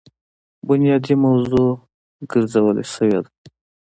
بنيادي موضوع ګرځولے شوې ده.